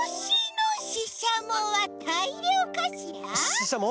ししゃも？